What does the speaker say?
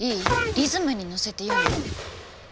リズムに乗せて言うのよ。